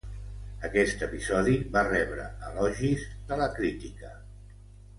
Aquest episodi va rebre elogis de la crítica.